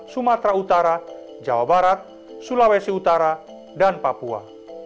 sumatera utara jawa barat sulawesi utara dan papua